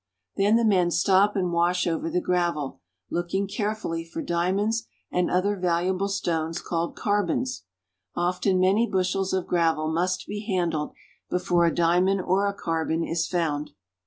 Then the men stop and wash over the gravel, looking carefully for diamonds and other valuable stones called carbons. Often many bushels of gravel must be handled before a diamond or a carbon is found.